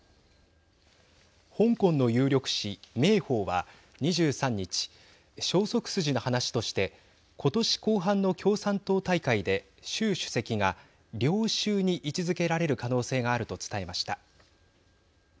香港の有力紙、明報は２３日消息筋の話としてことし後半の共産党大会で習主席が領袖に位置づけられる可能性があると伝えました。